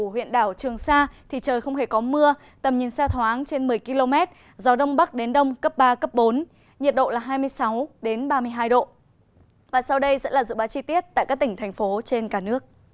hãy đăng kí cho kênh lalaschool để không bỏ lỡ những video hấp dẫn